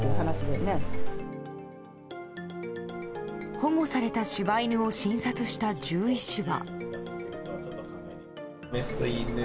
保護された柴犬を診察した獣医師は。